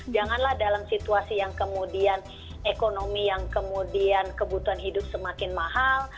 janganlah dalam situasi yang kemudian ekonomi yang kemudian kebutuhan hidup semakin mahal